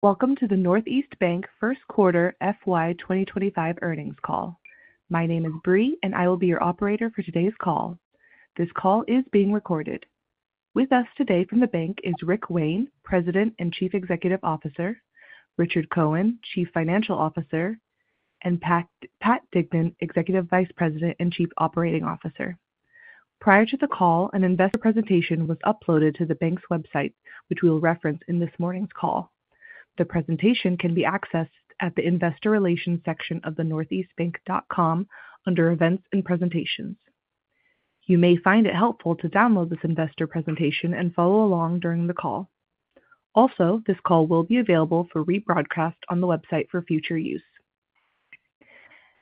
Welcome to the Northeast Bank First Quarter FY 2025 Earnings Call. My name is Bri, and I will be your operator for today's call. This call is being recorded. With us today from the bank is Rick Wayne, President and Chief Executive Officer, Richard Cohen, Chief Financial Officer, and Pat Dignan, Executive Vice President and Chief Operating Officer. Prior to the call, an investor presentation was uploaded to the bank's website, which we will reference in this morning's call. The presentation can be accessed at the investor relations section of the northeastbank.com under Events and Presentations. You may find it helpful to download this investor presentation and follow along during the call. Also, this call will be available for rebroadcast on the website for future use.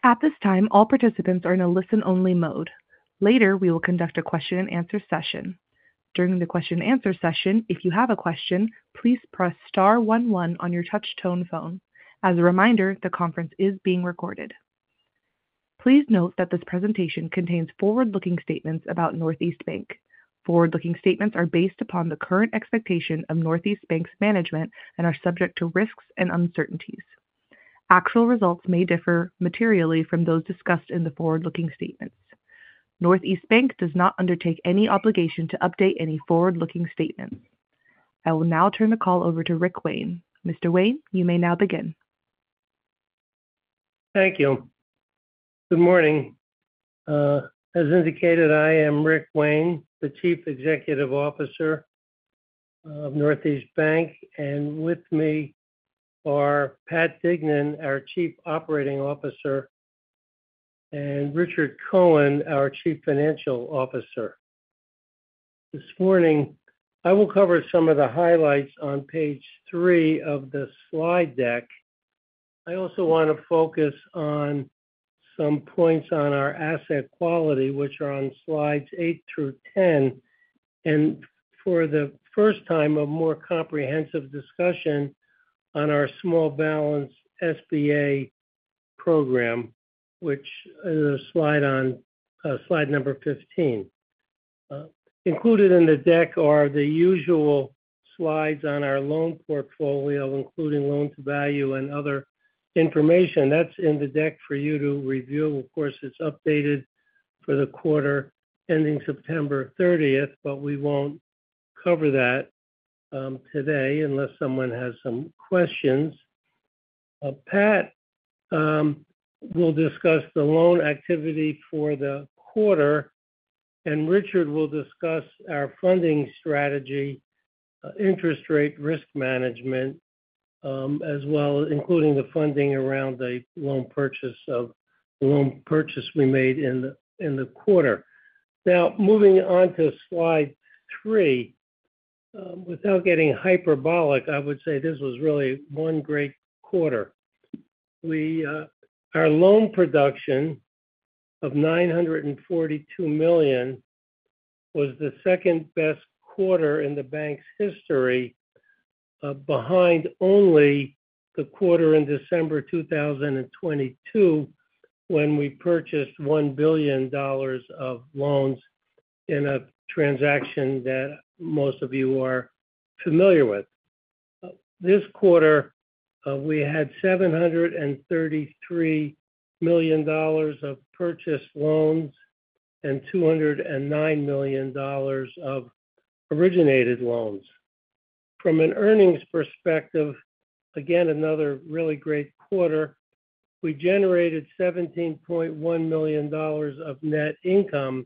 At this time, all participants are in a listen-only mode. Later, we will conduct a question-and-answer session. During the question-and-answer session, if you have a question, please press star one one on your touch-tone phone. As a reminder, the conference is being recorded. Please note that this presentation contains forward-looking statements about Northeast Bank. Forward-looking statements are based upon the current expectation of Northeast Bank's management and are subject to risks and uncertainties. Actual results may differ materially from those discussed in the forward-looking statements. Northeast Bank does not undertake any obligation to update any forward-looking statements. I will now turn the call over to Rick Wayne. Mr. Wayne, you may now begin. Thank you. Good morning. As indicated, I am Rick Wayne, the Chief Executive Officer of Northeast Bank, and with me are Pat Dignan, our Chief Operating Officer, and Richard Cohen, our Chief Financial Officer. This morning, I will cover some of the highlights on page three of the slide deck. I also want to focus on some points on our asset quality, which are on slides eight through 10, and for the first time, a more comprehensive discussion on our small balance SBA program, which is on slide number 15. Included in the deck are the usual slides on our loan portfolio, including loan-to-value and other information. That's in the deck for you to review. Of course, it's updated for the quarter ending September 30th, but we won't cover that today unless someone has some questions. Pat will discuss the loan activity for the quarter, and Richard will discuss our funding strategy, interest rate risk management, as well as including the funding around the loan purchase we made in the quarter. Now, moving on to slide three, without getting hyperbolic, I would say this was really one great quarter. Our loan production of $942 million was the second best quarter in the bank's history, behind only the quarter in December 2022 when we purchased $1 billion of loans in a transaction that most of you are familiar with. This quarter, we had $733 million of purchased loans and $209 million of originated loans. From an earnings perspective, again, another really great quarter. We generated $17.1 million of net income.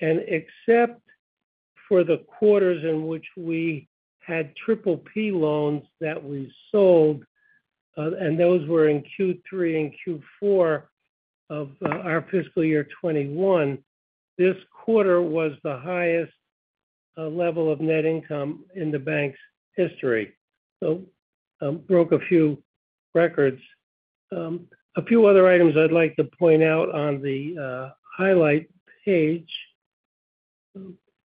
And except for the quarters in which we had PPP loans that we sold, and those were in Q3 and Q4 of our fiscal year 2021, this quarter was the highest level of net income in the bank's history. So broke a few records. A few other items I'd like to point out on the highlight page.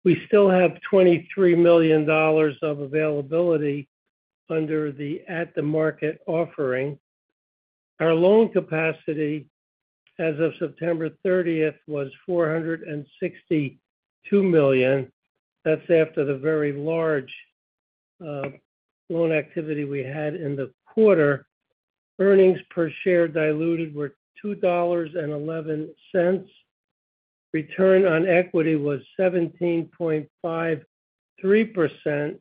We still have $23 million of availability under the at-the-market offering. Our loan capacity, as of September 30th, was $462 million. That's after the very large loan activity we had in the quarter. Earnings per share diluted were $2.11. Return on equity was 17.53%.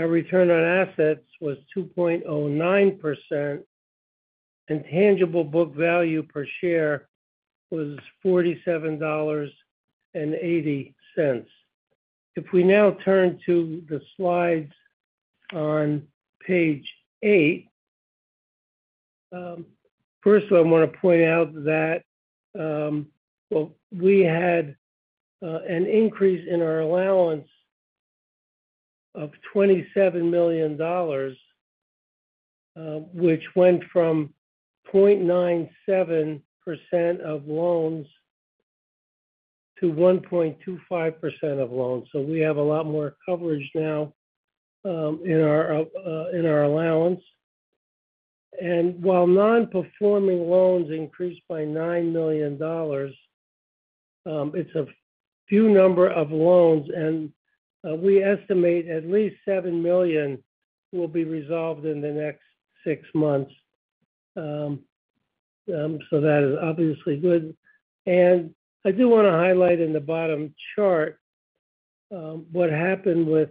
Our return on assets was 2.09%, and tangible book value per share was $47.80. If we now turn to the slides on page eight, first, I want to point out that we had an increase in our allowance of $27 million, which went from 0.97% of loans to 1.25% of loans, so we have a lot more coverage now in our allowance, and while non-performing loans increased by $9 million, it's a few number of loans, and we estimate at least $7 million will be resolved in the next six months, so that is obviously good, and I do want to highlight in the bottom chart what happened with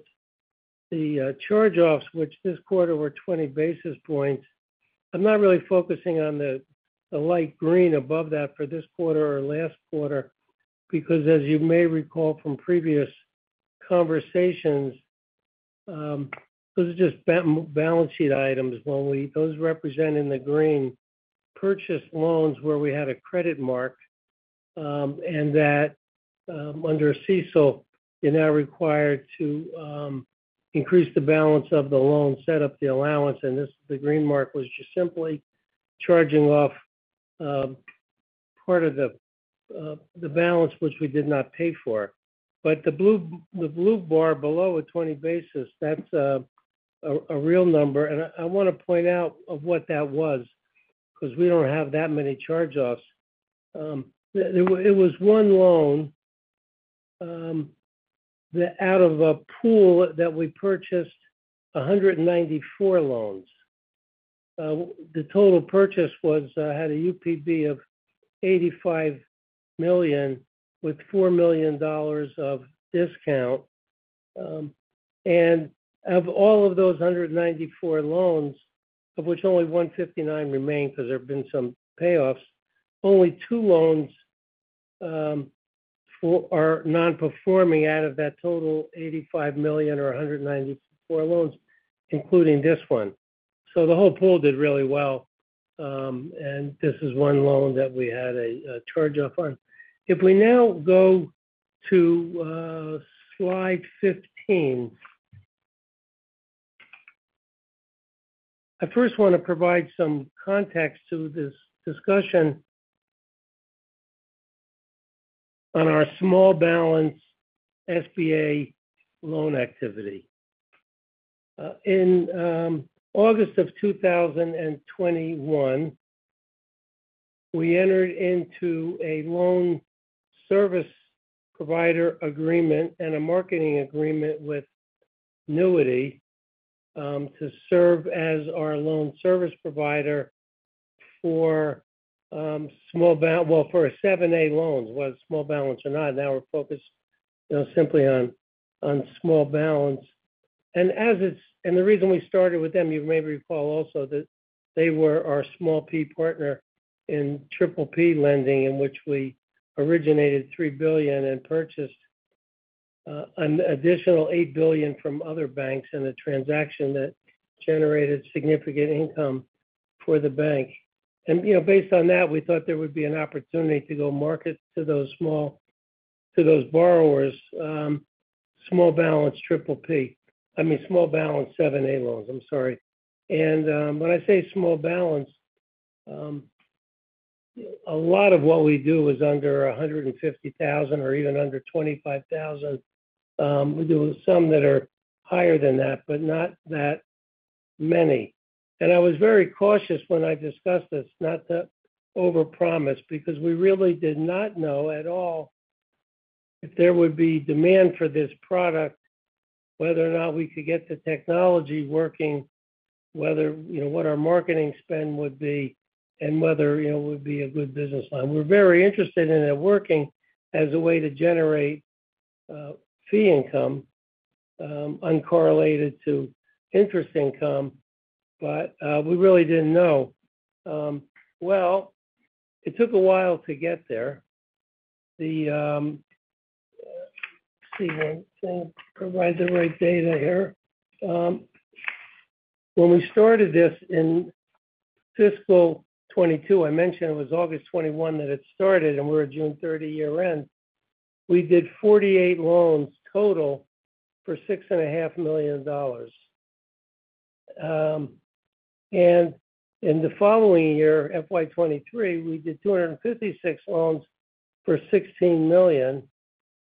the charge-offs, which this quarter were 20 basis points. I'm not really focusing on the light green above that for this quarter or last quarter because, as you may recall from previous conversations, those are just balance sheet items, those represent in the green purchased loans where we had a credit mark. And that under CECL, you're now required to increase the balance of the loan, set up the allowance, and this green mark was just simply charging off part of the balance, which we did not pay for. But the blue bar below at 20 basis, that's a real number. And I want to point out what that was because we don't have that many charge-offs. It was one loan out of a pool that we purchased 194 loans. The total purchase had a UPB of $85 million with $4 million of discount. And of all of those 194 loans, of which only 159 remain because there have been some payoffs, only two loans are non-performing out of that total $85 million or 194 loans, including this one. So the whole pool did really well. And this is one loan that we had a charge-off on. If we now go to slide 15, I first want to provide some context to this discussion on our small balance SBA loan activity. In August of 2021, we entered into a loan service provider agreement and a marketing agreement with NEWITY to serve as our loan service provider for small, well, for 7(a) loans, whether small balance or not. Now we're focused simply on small balance. And the reason we started with them, you may recall also that they were our SBA partner in PPP lending, in which we originated $3 billion and purchased an additional $8 billion from other banks in a transaction that generated significant income for the bank. And based on that, we thought there would be an opportunity to go market to those small borrowers, small balance PPP. I mean, small balance 7(a) loans. I'm sorry. When I say small balance, a lot of what we do is under 150,000 or even under 25,000. We do some that are higher than that, but not that many. I was very cautious when I discussed this, not to overpromise, because we really did not know at all if there would be demand for this product, whether or not we could get the technology working, what our marketing spend would be, and whether it would be a good business line. We're very interested in it working as a way to generate fee income uncorrelated to interest income, but we really didn't know. It took a while to get there. Let's see if I can provide the right data here. When we started this in fiscal 2022, I mentioned it was August 2021 that it started, and we're at June 30 year-end. We did 48 loans total for $6.5 million. And in the following year, FY 2023, we did 256 loans for $16 million.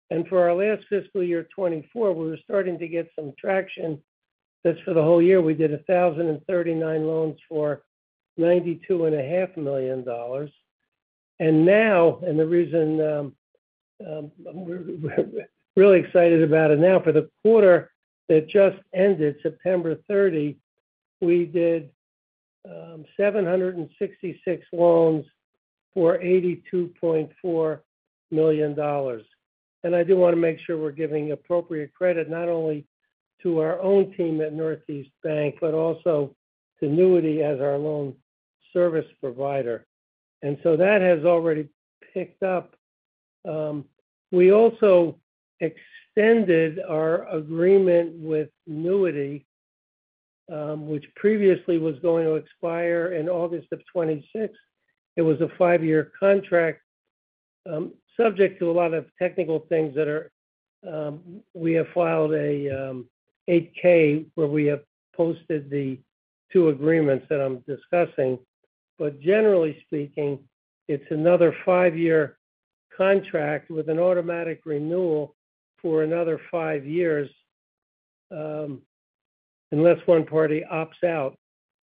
And for our last fiscal year 2024, we were starting to get some traction. That's for the whole year. We did 1,039 loans for $92.5 million. And now, and the reason we're really excited about it now, for the quarter that just ended, September 30, we did 766 loans for $82.4 million. And I do want to make sure we're giving appropriate credit not only to our own team at Northeast Bank, but also to NEWITY as our loan service provider. And so that has already picked up. We also extended our agreement with NEWITY, which previously was going to expire in August of 2026. It was a five-year contract, subject to a lot of technical things that we have filed an 8-K where we have posted the two agreements that I'm discussing. But generally speaking, it's another five-year contract with an automatic renewal for another five years unless one party opts out.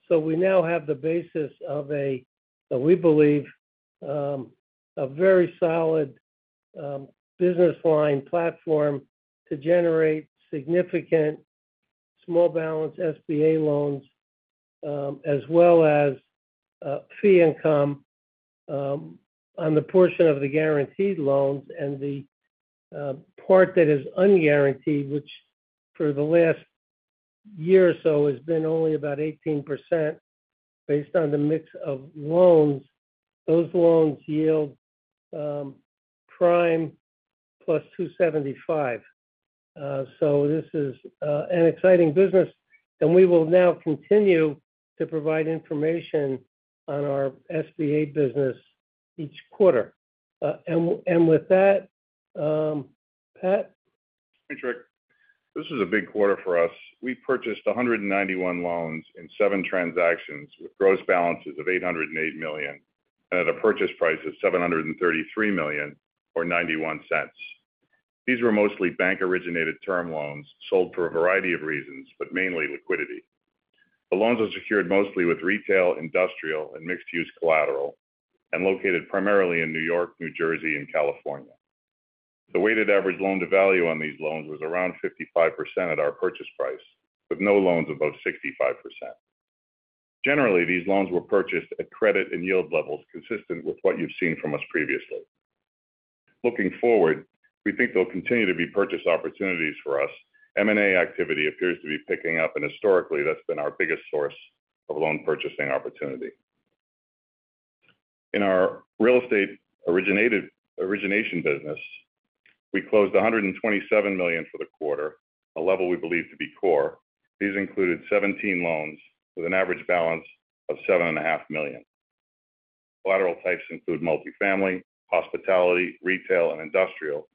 So we now have the basis of, we believe, a very solid business line platform to generate significant small balance SBA loans, as well as fee income on the portion of the guaranteed loans and the part that is unguaranteed, which for the last year or so has been only about 18% based on the mix of loans. Those loans yield Prime plus 275. So this is an exciting business. And we will now continue to provide information on our SBA business each quarter. And with that, Pat? Hey, Rick. This was a big quarter for us. We purchased 191 loans in seven transactions with gross balances of $808 million and at a purchase price of $733 million or $0.91. These were mostly bank-originated term loans sold for a variety of reasons, but mainly liquidity. The loans are secured mostly with retail, industrial, and mixed-use collateral and located primarily in New York, New Jersey, and California. The weighted average loan-to-value on these loans was around 55% at our purchase price, with no loans above 65%. Generally, these loans were purchased at credit and yield levels consistent with what you've seen from us previously. Looking forward, we think there'll continue to be purchase opportunities for us. M&A activity appears to be picking up, and historically, that's been our biggest source of loan purchasing opportunity. In our real estate origination business, we closed $127 million for the quarter, a level we believe to be core. These included 17 loans with an average balance of $7.5 million. Collateral types include multifamily, hospitality, retail, and industrial,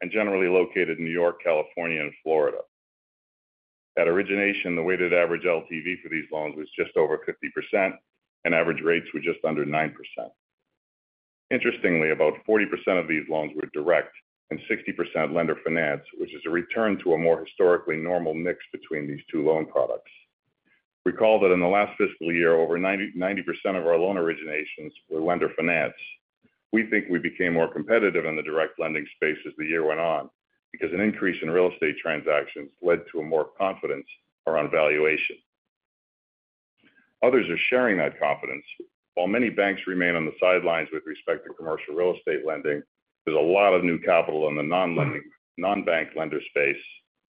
and generally located in New York, California, and Florida. At origination, the weighted average LTV for these loans was just over 50%, and average rates were just under 9%. Interestingly, about 40% of these loans were direct and 60% lender finance, which is a return to a more historically normal mix between these two loan products. Recall that in the last fiscal year, over 90% of our loan originations were lender finance. We think we became more competitive in the direct lending space as the year went on because an increase in real estate transactions led to more confidence around valuation. Others are sharing that confidence. While many banks remain on the sidelines with respect to commercial real estate lending, there's a lot of new capital in the non-bank lender space,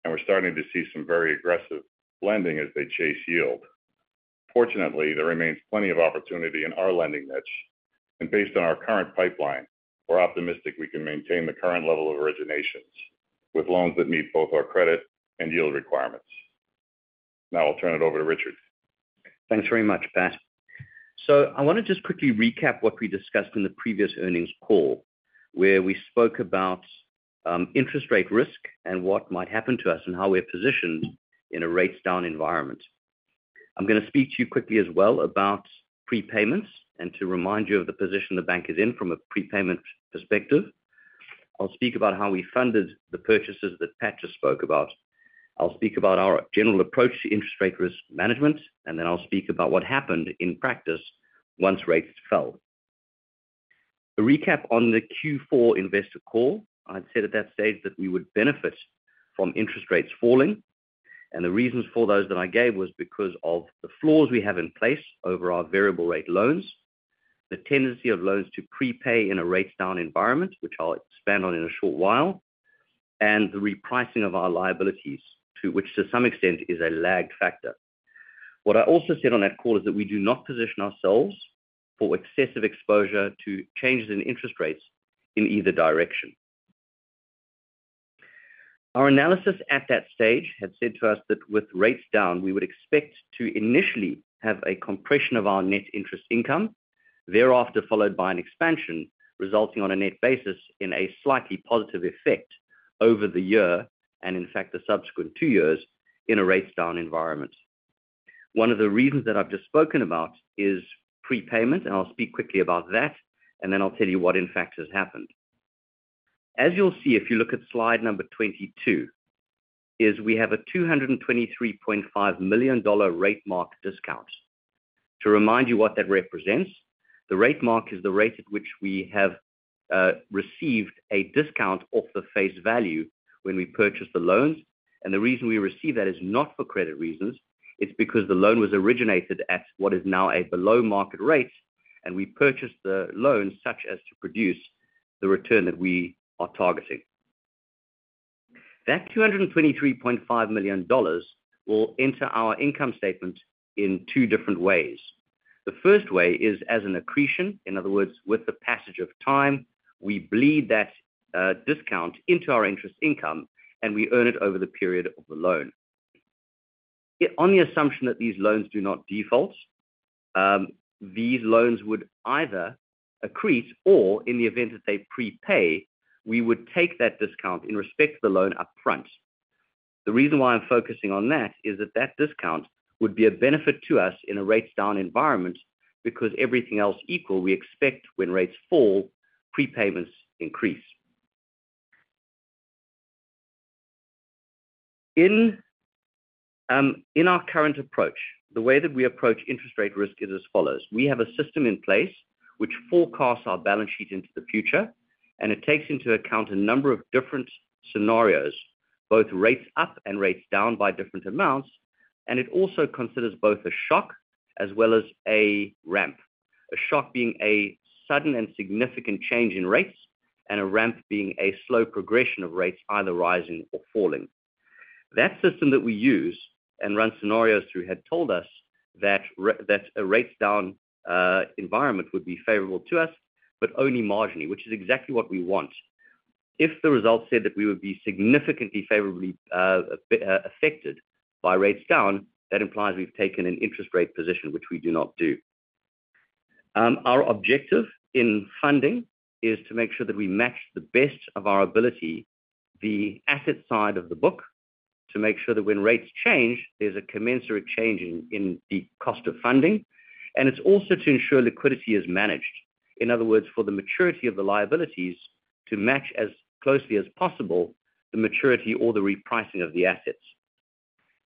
and we're starting to see some very aggressive lending as they chase yield. Fortunately, there remains plenty of opportunity in our lending niche. And based on our current pipeline, we're optimistic we can maintain the current level of originations with loans that meet both our credit and yield requirements. Now I'll turn it over to Richard. Thanks very much, Pat. So I want to just quickly recap what we discussed in the previous earnings call, where we spoke about interest rate risk and what might happen to us and how we're positioned in a rates-down environment. I'm going to speak to you quickly as well about prepayments and to remind you of the position the bank is in from a prepayment perspective. I'll speak about how we funded the purchases that Patrick spoke about. I'll speak about our general approach to interest rate risk management, and then I'll speak about what happened in practice once rates fell. A recap on the Q4 investor call. I'd say at that stage that we would benefit from interest rates falling. And the reasons for those that I gave was because of the floors we have in place over our variable-rate loans, the tendency of loans to prepay in a rates-down environment, which I'll expand on in a short while, and the repricing of our liabilities, which to some extent is a lagged factor. What I also said on that call is that we do not position ourselves for excessive exposure to changes in interest rates in either direction. Our analysis at that stage had said to us that with rates down, we would expect to initially have a compression of our net interest income, thereafter followed by an expansion resulting on a net basis in a slightly positive effect over the year and, in fact, the subsequent two years in a rates-down environment. One of the reasons that I've just spoken about is prepayment, and I'll speak quickly about that, and then I'll tell you what, in fact, has happened. As you'll see, if you look at slide number 22, we have a $223.5 million rate mark discount. To remind you what that represents, the rate mark is the rate at which we have received a discount off the face value when we purchase the loans. And the reason we receive that is not for credit reasons. It's because the loan was originated at what is now a below-market rate, and we purchased the loan such as to produce the return that we are targeting. That $223.5 million will enter our income statement in two different ways. The first way is as an accretion. In other words, with the passage of time, we bleed that discount into our interest income, and we earn it over the period of the loan. On the assumption that these loans do not default, these loans would either accrete or, in the event that they prepay, we would take that discount in respect to the loan upfront. The reason why I'm focusing on that is that that discount would be a benefit to us in a rates-down environment because everything else equal, we expect when rates fall, prepayments increase. In our current approach, the way that we approach interest rate risk is as follows. We have a system in place which forecasts our balance sheet into the future, and it takes into account a number of different scenarios, both rates up and rates down by different amounts. It also considers both a shock as well as a ramp, a shock being a sudden and significant change in rates and a ramp being a slow progression of rates, either rising or falling. That system that we use and run scenarios through had told us that a rates-down environment would be favorable to us, but only marginally, which is exactly what we want. If the results said that we would be significantly favorably affected by rates down, that implies we've taken an interest rate position, which we do not do. Our objective in funding is to make sure that we match the best of our ability, the asset side of the book, to make sure that when rates change, there's a commensurate change in the cost of funding. It's also to ensure liquidity is managed. In other words, for the maturity of the liabilities to match as closely as possible the maturity or the repricing of the assets.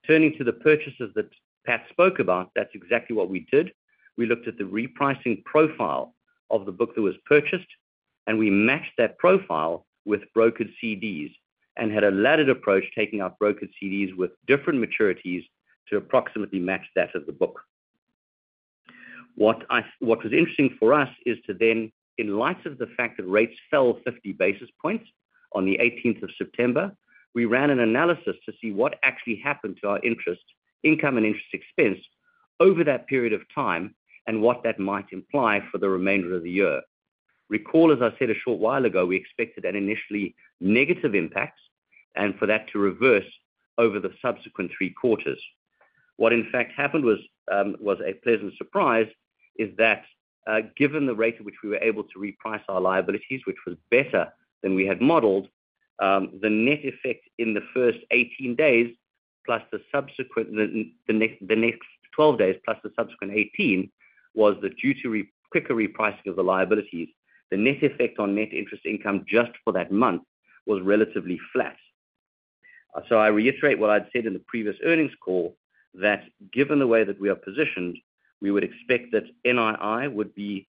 Turning to the purchases that Pat spoke about, that's exactly what we did. We looked at the repricing profile of the book that was purchased, and we matched that profile with brokered CDs and had a laddered approach, taking out brokered CDs with different maturities to approximately match that of the book. What was interesting for us is to then, in light of the fact that rates fell 50 basis points on the 18th of September, we ran an analysis to see what actually happened to our interest income and interest expense over that period of time and what that might imply for the remainder of the year. Recall, as I said a short while ago, we expected an initially negative impact and for that to reverse over the subsequent three quarters. What, in fact, happened was a pleasant surprise is that given the rate at which we were able to reprice our liabilities, which was better than we had modeled, the net effect in the first 18 days plus the subsequent 12 days plus the subsequent 18 was that due to quicker repricing of the liabilities, the net effect on net interest income just for that month was relatively flat. So I reiterate what I'd said in the previous earnings call, that given the way that we are positioned, we would expect that NII would be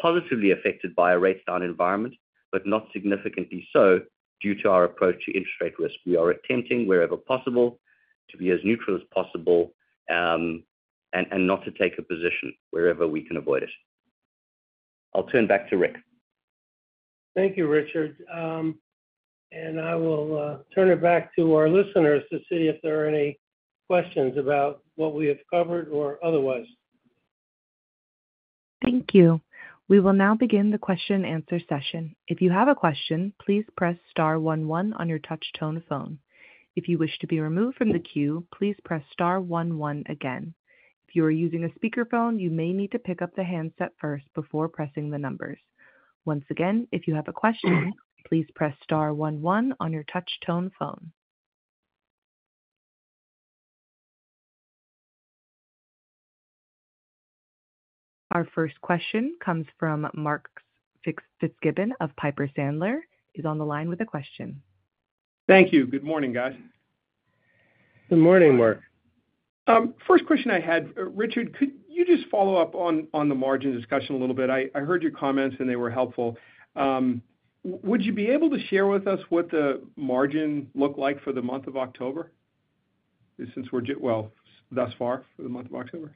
positively affected by a rates-down environment, but not significantly so due to our approach to interest rate risk. We are attempting, wherever possible, to be as neutral as possible and not to take a position wherever we can avoid it. I'll turn back to Rick. Thank you, Richard, and I will turn it back to our listeners to see if there are any questions about what we have covered or otherwise. Thank you. We will now begin the question-and-answer session. If you have a question, please press star 11 on your touch-tone phone. If you wish to be removed from the queue, please press star one one again. If you are using a speakerphone, you may need to pick up the handset first before pressing the numbers. Once again, if you have a question, please press star one one on your touch-tone phone. Our first question comes from Mark Fitzgibbon of Piper Sandler. He's on the line with a question. Thank you. Good morning, guys. Good morning, Mark. First question I had, Richard, could you just follow up on the margin discussion a little bit? I heard your comments, and they were helpful. Would you be able to share with us what the margin looked like for the month of October since we're well, thus far for the month of October?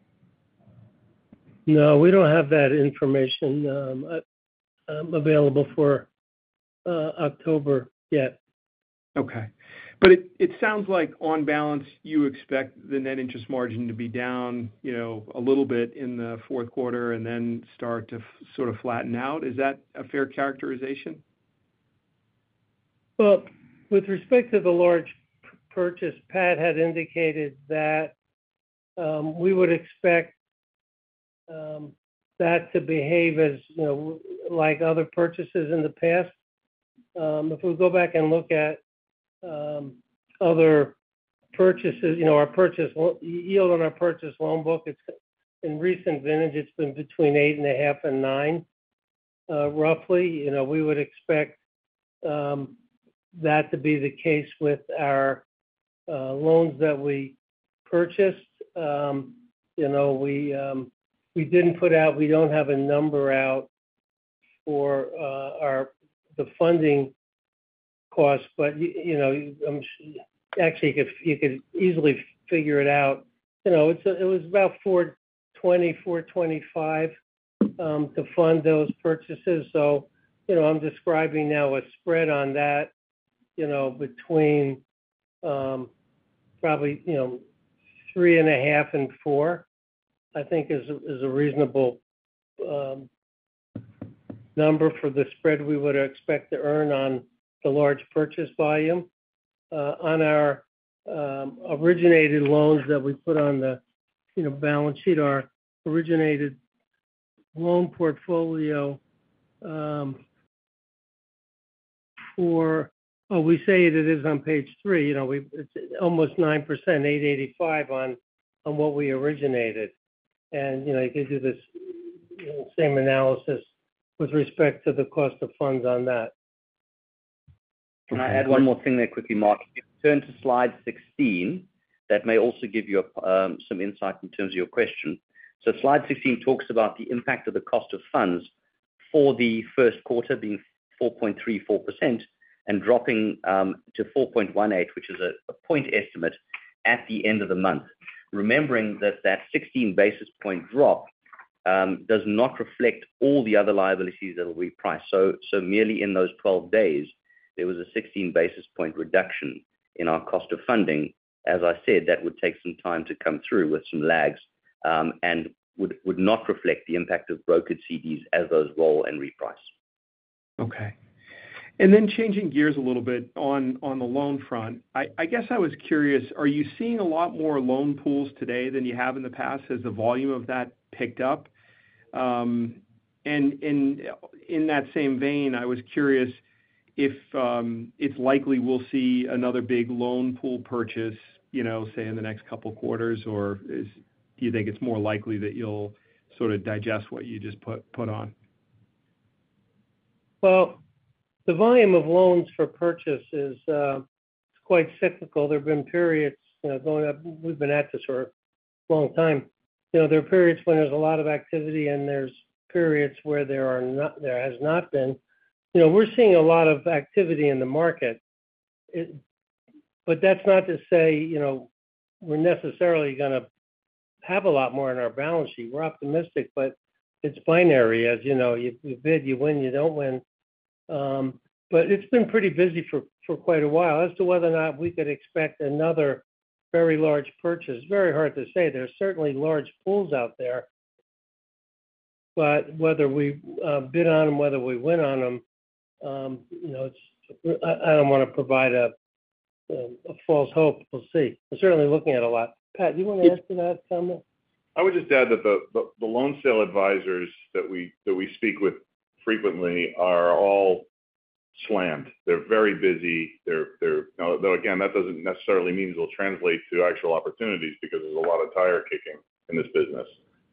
No, we don't have that information available for October yet. Okay. But it sounds like on balance, you expect the net interest margin to be down a little bit in the fourth quarter and then start to sort of flatten out. Is that a fair characterization? With respect to the large purchase, Pat had indicated that we would expect that to behave like other purchases in the past. If we go back and look at other purchases, our yield on our purchase loan book, in recent vintage, it's been between 8.5%-9%, roughly. We would expect that to be the case with our loans that we purchased. We didn't put out, we don't have a number out for the funding cost, but actually, you could easily figure it out. It was about 420-425 to fund those purchases. So I'm describing now a spread on that between probably 3.5%-4%, I think, is a reasonable number for the spread we would expect to earn on the large purchase volume. On our originated loans that we put on the balance sheet, our originated loan portfolio for, oh, we say it is on page three. It's almost 9%, 885 on what we originated, and you could do the same analysis with respect to the cost of funds on that. Can I add one more thing there, quickly, Mark? If you turn to slide 16, that may also give you some insight in terms of your question. So slide 16 talks about the impact of the cost of funds for the first quarter being 4.34% and dropping to 4.18%, which is a point estimate at the end of the month. Remembering that that 16 basis point drop does not reflect all the other liabilities that will reprice. So merely in those 12 days, there was a 16 basis point reduction in our cost of funding. As I said, that would take some time to come through with some lags and would not reflect the impact of brokered CDs as those roll and reprice. Okay. And then changing gears a little bit on the loan front, I guess I was curious, are you seeing a lot more loan pools today than you have in the past? Has the volume of that picked up? And in that same vein, I was curious if it's likely we'll see another big loan pool purchase, say, in the next couple of quarters, or do you think it's more likely that you'll sort of digest what you just put on? The volume of loans for purchase is quite cyclical. There have been periods going up. We've been at this for a long time. There are periods when there's a lot of activity, and there's periods where there has not been. We're seeing a lot of activity in the market. But that's not to say we're necessarily going to have a lot more in our balance sheet. We're optimistic, but it's binary. As you bid, you win, you don't win. But it's been pretty busy for quite a while. As to whether or not we could expect another very large purchase, very hard to say. There are certainly large pools out there. But whether we bid on them, whether we win on them, I don't want to provide a false hope. We'll see. We're certainly looking at a lot. Pat, do you want to add to that comment? I would just add that the loan sale advisors that we speak with frequently are all slammed. They're very busy. Though, again, that doesn't necessarily mean it'll translate to actual opportunities because there's a lot of tire kicking in this business,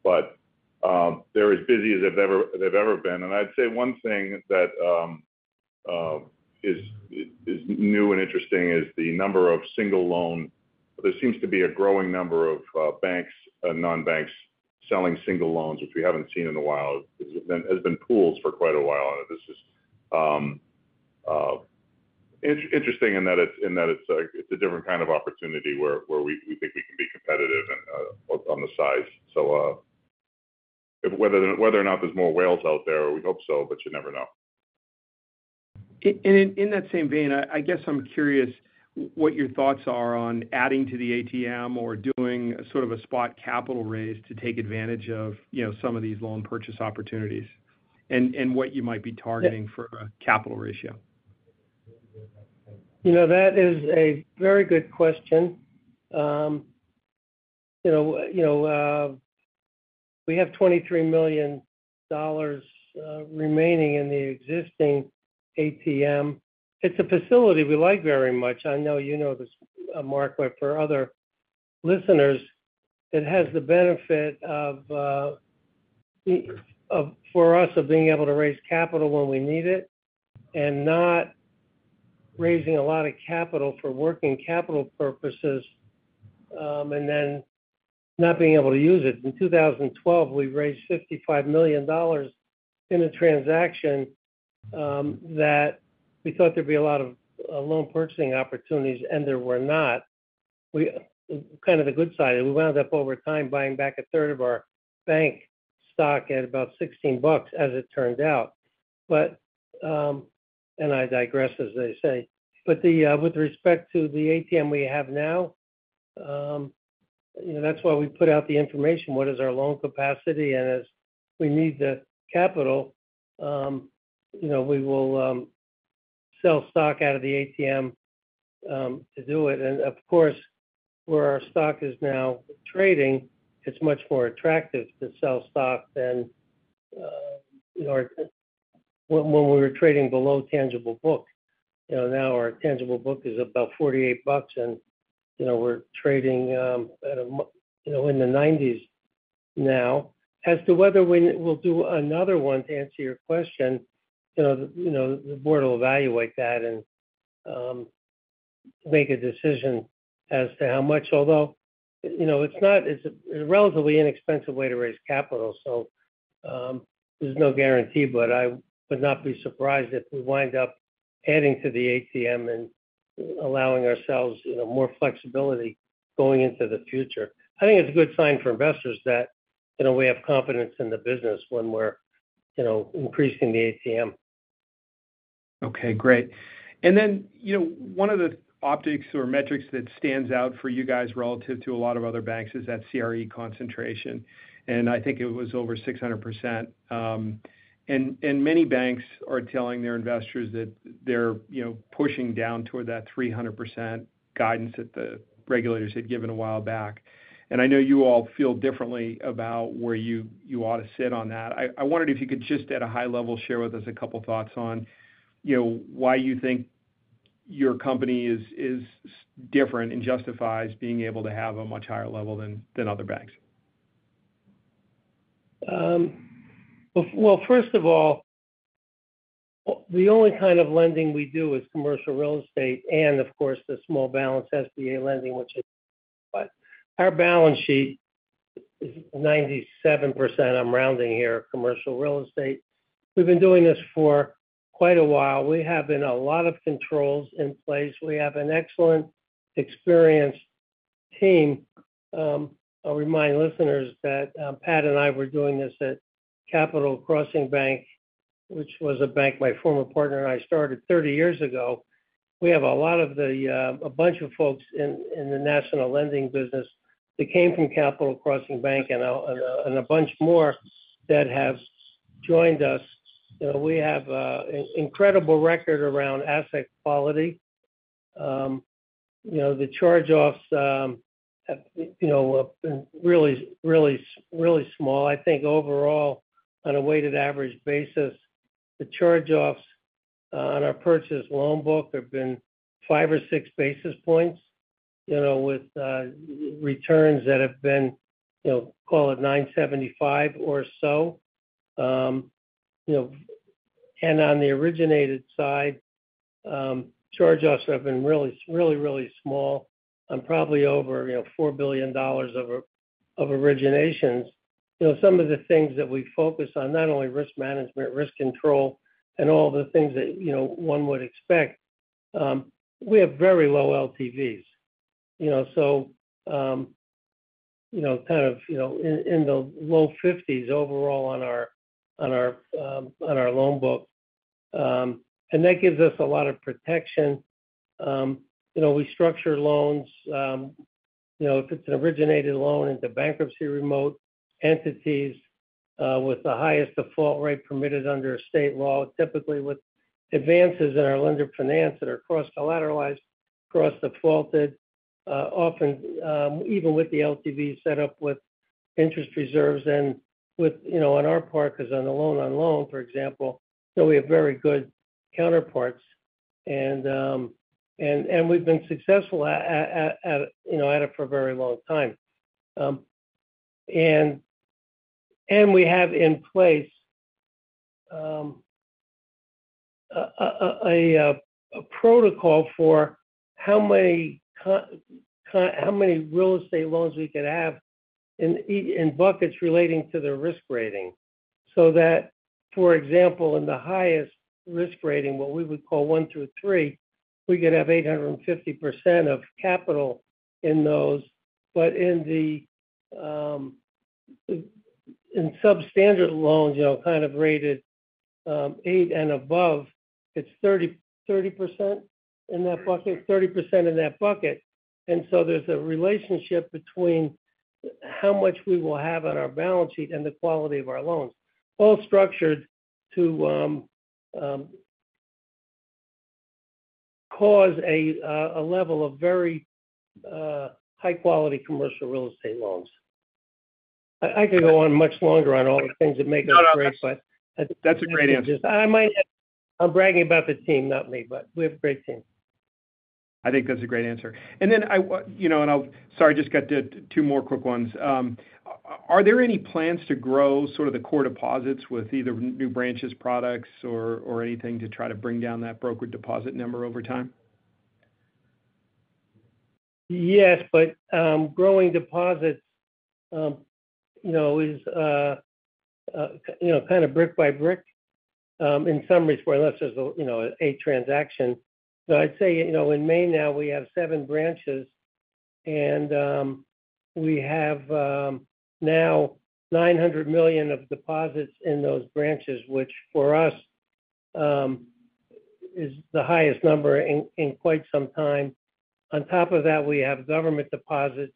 but they're as busy as they've ever been, and I'd say one thing that is new and interesting is the number of single loans. There seems to be a growing number of banks and non-banks selling single loans, which we haven't seen in a while, it's been pools for quite a while, and this is interesting in that it's a different kind of opportunity where we think we can be competitive on the size, so whether or not there's more whales out there, we hope so, but you never know. And in that same vein, I guess I'm curious what your thoughts are on adding to the ATM or doing sort of a spot capital raise to take advantage of some of these loan purchase opportunities and what you might be targeting for a capital ratio. That is a very good question. We have $23 million remaining in the existing ATM. It's a facility we like very much. I know you know this, Mark, but for other listeners, it has the benefit for us of being able to raise capital when we need it and not raising a lot of capital for working capital purposes and then not being able to use it. In 2012, we raised $55 million in a transaction that we thought there'd be a lot of loan purchasing opportunities, and there were not. Kind of the good side is we wound up over time buying back a third of our bank stock at about $16, as it turned out, and I digress, as they say, but with respect to the ATM we have now, that's why we put out the information, what is our loan capacity. As we need the capital, we will sell stock out of the ATM to do it. Of course, where our stock is now trading, it's much more attractive to sell stock than when we were trading below tangible book. Now our tangible book is about $48, and we're trading in the $90s now. As to whether we'll do another one to answer your question, the Board will evaluate that and make a decision as to how much. Although it's a relatively inexpensive way to raise capital, so there's no guarantee. But I would not be surprised if we wind up adding to the ATM and allowing ourselves more flexibility going into the future. I think it's a good sign for investors that we have confidence in the business when we're increasing the ATM. Okay. Great. And then one of the optics or metrics that stands out for you guys relative to a lot of other banks is that CRE concentration. And I think it was over 600%. And many banks are telling their investors that they're pushing down toward that 300% guidance that the regulators had given a while back. And I know you all feel differently about where you ought to sit on that. I wondered if you could just, at a high level, share with us a couple of thoughts on why you think your company is different and justifies being able to have a much higher level than other banks. First of all, the only kind of lending we do is commercial real estate and, of course, the small balance SBA lending, which is. But our balance sheet is 97%. I'm rounding here, commercial real estate. We've been doing this for quite a while. We have a lot of controls in place. We have an excellent experienced team. I'll remind listeners that Pat and I were doing this at Capital Crossing Bank, which was a bank my former partner and I started 30 years ago. We have a bunch of folks in the national lending business that came from Capital Crossing Bank and a bunch more that have joined us. We have an incredible record around asset quality. The charge-offs have been really, really small. I think overall, on a weighted average basis, the charge-offs on our purchase loan book have been five or six basis points with returns that have been, call it 9.75 or so. And on the originated side, charge-offs have been really, really small on probably over $4 billion of originations. Some of the things that we focus on, not only risk management, risk control, and all the things that one would expect, we have very low LTVs. So kind of in the low 50s overall on our loan book. And that gives us a lot of protection. We structure loans. If it's an originated loan into bankruptcy remote entities with the highest default rate permitted under state law, typically with advances in our lender finance that are cross-collateralized, cross-defaulted, often even with the LTV set up with interest reserves. And on our part, because on a loan-on-loan, for example, we have very good counterparts. And we've been successful at it for a very long time. And we have in place a protocol for how many real estate loans we could have in buckets relating to their risk rating. So that, for example, in the highest risk rating, what we would call one through three, we could have 850% of capital in those. But in substandard loans, kind of rated eight and above, it's 30% in that bucket, 30% in that bucket. And so there's a relationship between how much we will have on our balance sheet and the quality of our loans, all structured to cause a level of very high-quality commercial real estate loans. I could go on much longer on all the things that make us great, but. That's a great answer. I'm bragging about the team, not me, but we have a great team. I think that's a great answer. And then I'll, sorry, I just got two more quick ones. Are there any plans to grow sort of the core deposits with either new branches, products, or anything to try to bring down that brokered deposit number over time? Yes, but growing deposits is kind of brick by brick in some respects, unless there's an acquisition transaction. So I'd say in Maine now, we have seven branches, and we have now $900 million of deposits in those branches, which for us is the highest number in quite some time. On top of that, we have government deposits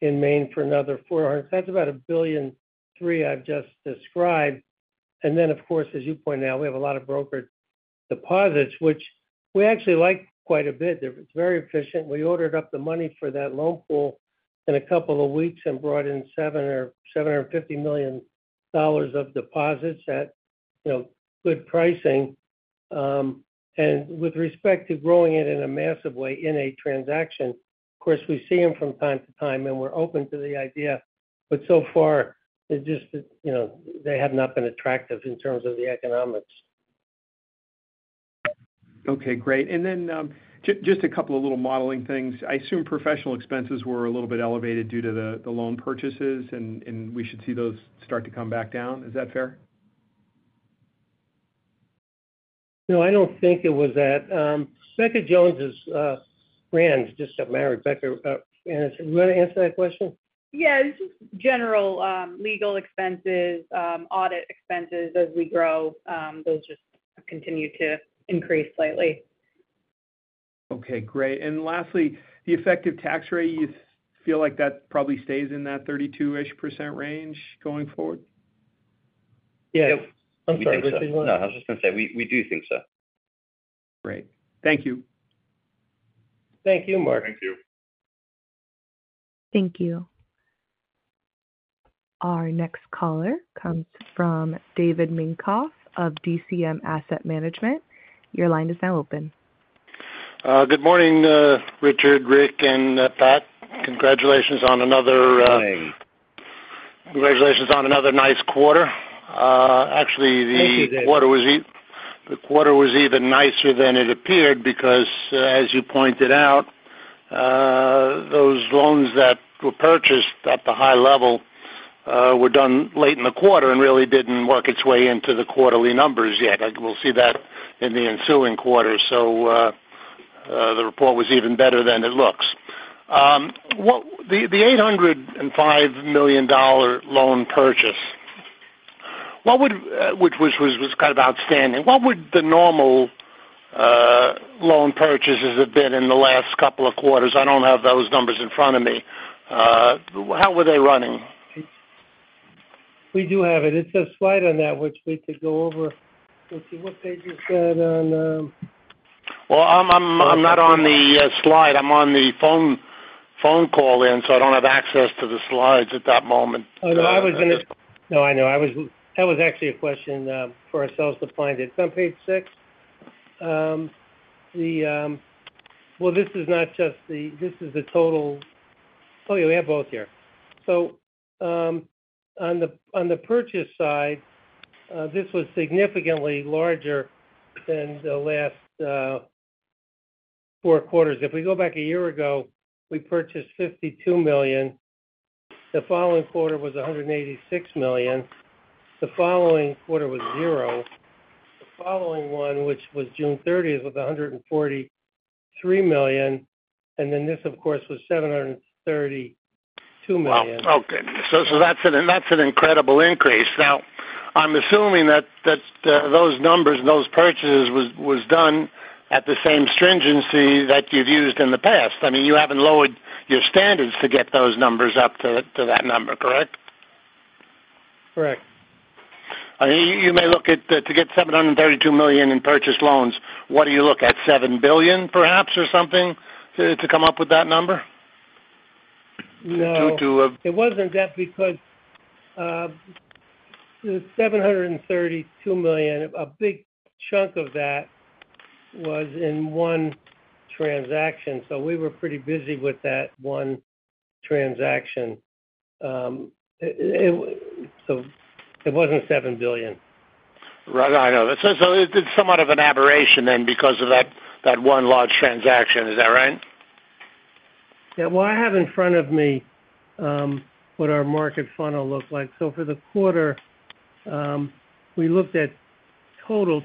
in Maine for another $400 million. That's about $1.3 billion I've just described. And then, of course, as you point out, we have a lot of brokered deposits, which we actually like quite a bit. It's very efficient. We ordered up the money for that loan pool in a couple of weeks and brought in $750 million of deposits at good pricing. And with respect to growing it in a massive way in a transaction, of course, we see them from time to time, and we're open to the idea. But so far, they just have not been attractive in terms of the economics. Okay. Great. And then just a couple of little modeling things. I assume professional expenses were a little bit elevated due to the loan purchases, and we should see those start to come back down. Is that fair? No, I don't think it was that. Becca Jones's friend just got married. Becca Jones, do you want to answer that question? Yeah. It's just general legal expenses, audit expenses as we grow. Those just continue to increase slightly. Okay. Great, and lastly, the effective tax rate, you feel like that probably stays in that 32-ish% range going forward? Yes. I'm sorry. No, I was just going to say we do think so. Great. Thank you. Thank you, Mark. Thank you. Thank you. Our next caller comes from David Minkoff of DCM Asset Management. Your line is now open. Good morning, Richard, Rick, and Pat. Congratulations on another. Good morning. Congratulations on another nice quarter. Actually, the quarter was even nicer than it appeared because, as you pointed out, those loans that were purchased at the high level were done late in the quarter and really didn't work its way into the quarterly numbers yet. We'll see that in the ensuing quarter. So the report was even better than it looks. The $805 million loan purchase, which was kind of outstanding, what would the normal loan purchases have been in the last couple of quarters? I don't have those numbers in front of me. How were they running? We do have it. It's a slide on that, which we could go over. Let's see what page it said on. I'm not on the slide. I'm on the phone call in, so I don't have access to the slides at that moment. Oh, no. I was going to—no, I know. That was actually a question for ourselves to find it. It's on page six. Well, this is not just the—this is the total—oh, yeah, we have both here. So on the purchase side, this was significantly larger than the last four quarters. If we go back a year ago, we purchased $52 million. The following quarter was $186 million. The following quarter was zero. The following one, which was June 30th, was $143 million. And then this, of course, was $732 million. Okay. So that's an incredible increase. Now, I'm assuming that those numbers and those purchases were done at the same stringency that you've used in the past. I mean, you haven't lowered your standards to get those numbers up to that number, correct? Correct. You may look at to get $732 million in purchased loans. What do you look at? $7 billion, perhaps, or something to come up with that number? No. It wasn't that because the $732 million, a big chunk of that was in one transaction. So we were pretty busy with that one transaction. So it wasn't $7 billion. Right. I know. So it's somewhat of an aberration then because of that one large transaction. Is that right? Yeah. Well, I have in front of me what our market funnel looked like. So for the quarter, we looked at total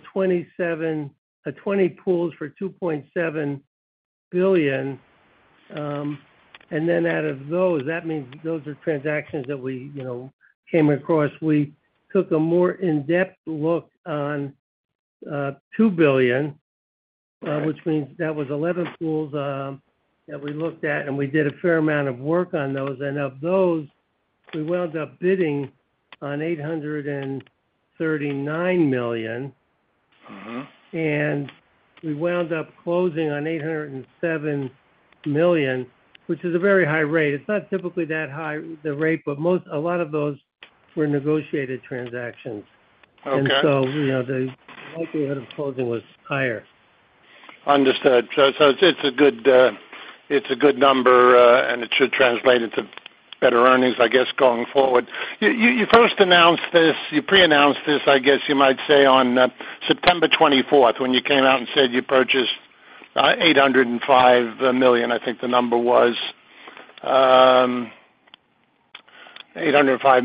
20 pools for $2.7 billion. And then out of those, that means those are transactions that we came across. We took a more in-depth look on $2 billion, which means that was 11 pools that we looked at, and we did a fair amount of work on those. And of those, we wound up bidding on $839 million. And we wound up closing on $807 million, which is a very high rate. It's not typically that high, the rate, but a lot of those were negotiated transactions. And so the likelihood of closing was higher. Understood. So it's a good number, and it should translate into better earnings, I guess, going forward. You first announced this. You pre-announced this, I guess you might say, on September 24th when you came out and said you purchased $805 million, I think the number was. $805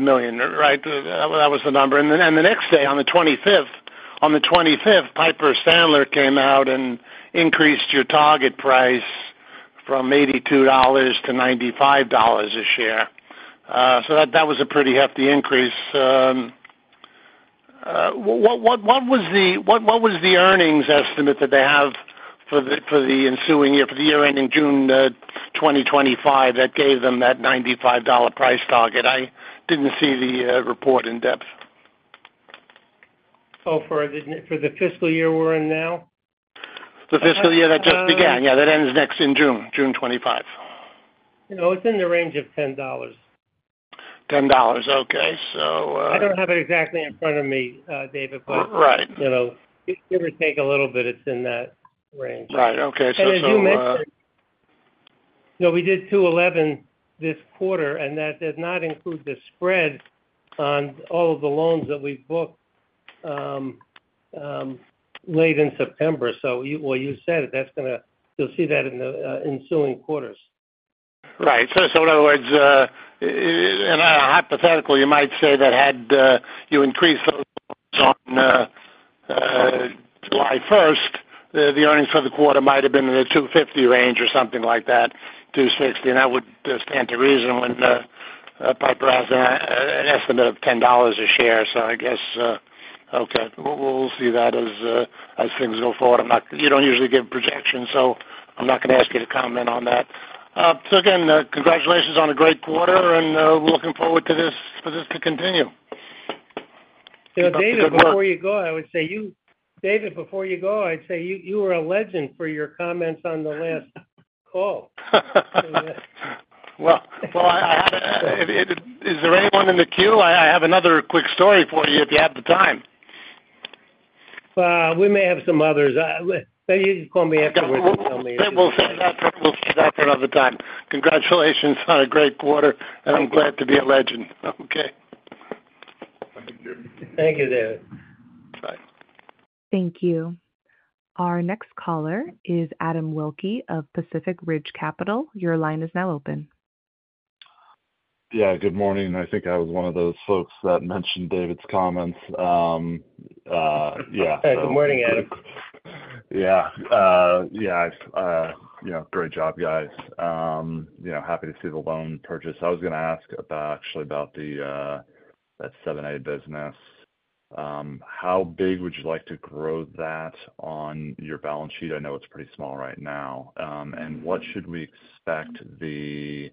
million, right? That was the number. And the next day, on the 25th, Piper Sandler came out and increased your target price from $82 to $95 a share. So that was a pretty hefty increase. What was the earnings estimate that they have for the ensuing year, for the year ending June 2025, that gave them that $95 price target? I didn't see the report in depth. So for the fiscal year we're in now? The fiscal year that just began. Yeah, that ends next in June, June 25th. It's in the range of $10. $10. Okay. So. I don't have it exactly in front of me, David, but give or take a little bit, it's in that range. Right. Okay. So. And, as you mentioned, we did 211 this quarter, and that does not include the spread on all of the loans that we booked late in September. So, you said it. You'll see that in the ensuing quarters. Right. So in other words, hypothetically, you might say that had you increased those loans on July 1st, the earnings for the quarter might have been in the 250 range or something like that, 260. And that would stand to reason when Piper has an estimate of $10 a share. So I guess, okay, we'll see that as things go forward. You don't usually give projections, so I'm not going to ask you to comment on that. So again, congratulations on a great quarter, and we're looking forward to this to continue. David, before you go, I'd say you were a legend for your comments on the last call. Is there anyone in the queue? I have another quick story for you if you have the time. We may have some others. You can call me afterwards and tell me. We'll save that for another time. Congratulations on a great quarter, and I'm glad to be a legend. Okay. Thank you, David. Bye. Thank you. Our next caller is Adam Wilke of Pacific Ridge Capital. Your line is now open. Yeah. Good morning. I think I was one of those folks that mentioned David's comments. Yeah. Hey. Good morning, Adam. Yeah. Yeah. Great job, guys. Happy to see the loan purchase. I was going to ask actually about that 7(a) business. How big would you like to grow that on your balance sheet? I know it's pretty small right now. And what should we expect the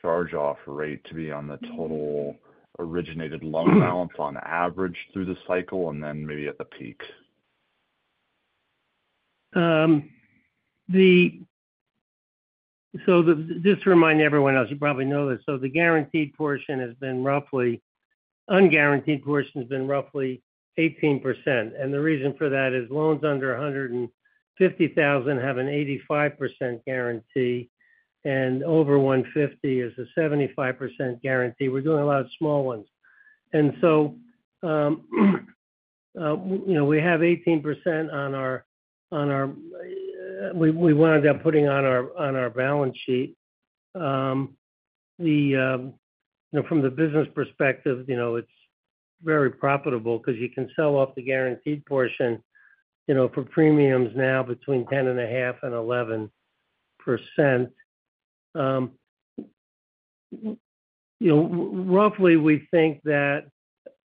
charge-off rate to be on the total originated loan balance on average through the cycle and then maybe at the peak? So just to remind everyone else, you probably know this. So the guaranteed portion has been roughly, unguaranteed portion has been roughly 18%. And the reason for that is loans under 150,000 have an 85% guarantee, and over 150 is a 75% guarantee. We're doing a lot of small ones. And so we have 18% on our, we wound up putting on our balance sheet. From the business perspective, it's very profitable because you can sell off the guaranteed portion for premiums now between 10.5%-11%. Roughly, we think that,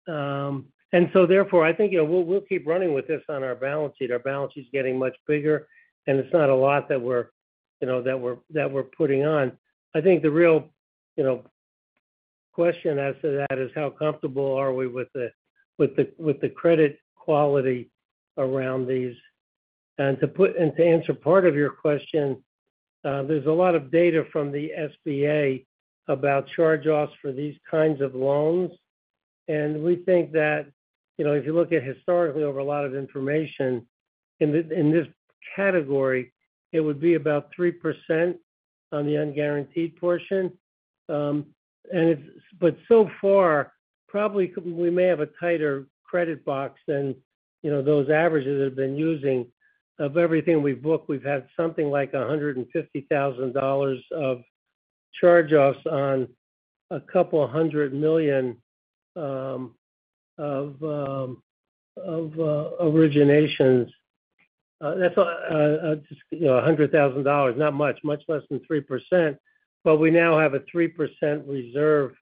and so therefore, I think we'll keep running with this on our balance sheet. Our balance sheet's getting much bigger, and it's not a lot that we're putting on. I think the real question as to that is how comfortable are we with the credit quality around these. And to answer part of your question, there's a lot of data from the SBA about charge-offs for these kinds of loans. And we think that if you look at historically over a lot of information in this category, it would be about 3% on the unguaranteed portion. But so far, probably we may have a tighter credit box than those averages that have been using. Of everything we've booked, we've had something like $150,000 of charge-offs on a couple hundred million of originations. That's $100,000, not much, much less than 3%. But we now have a 3% reserve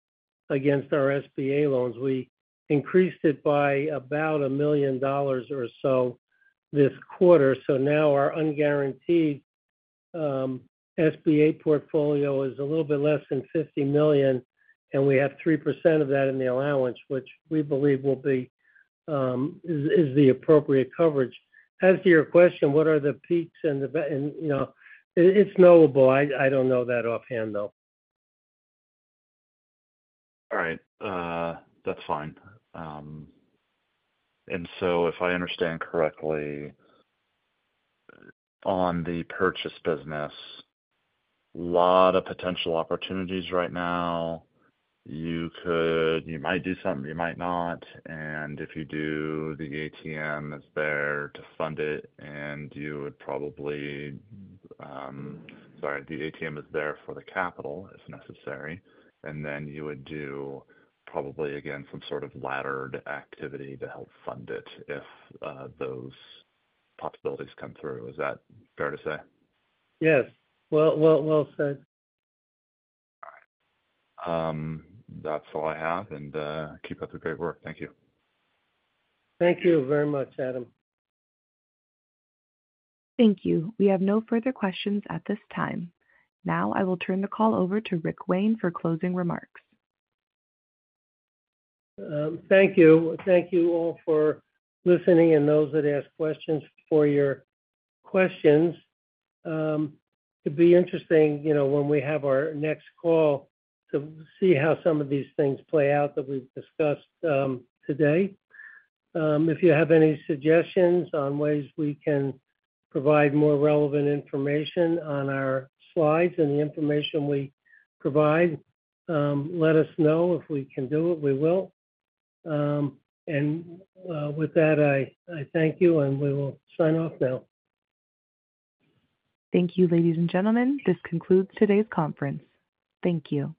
against our SBA loans. We increased it by about $1 million or so this quarter. So now our unguaranteed SBA portfolio is a little bit less than $50 million, and we have 3% of that in the allowance, which we believe is the appropriate coverage. As to your question, what are the peaks and the, it's knowable. I don't know that offhand, though. All right. That's fine. And so if I understand correctly, on the purchase business, a lot of potential opportunities right now. You might do something. You might not. And if you do, the ATM is there to fund it, and you would probably, sorry, the ATM is there for the capital if necessary. And then you would do probably, again, some sort of laddered activity to help fund it if those possibilities come through. Is that fair to say? Yes. Well said. All right. That's all I have. And keep up the great work. Thank you. Thank you very much, Adam. Thank you. We have no further questions at this time. Now I will turn the call over to Rick Wayne for closing remarks. Thank you. Thank you all for listening and those that asked questions for your questions. It'd be interesting when we have our next call to see how some of these things play out that we've discussed today. If you have any suggestions on ways we can provide more relevant information on our slides and the information we provide, let us know. If we can do it, we will. And with that, I thank you, and we will sign off now. Thank you, ladies and gentlemen. This concludes today's conference. Thank you.